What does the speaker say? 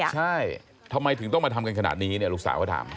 ใช่ทำไมถึงต้องมาทำกันขนาดนี้เนี่ยลูกสาวก็ถาม